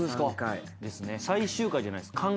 最終回じゃないです。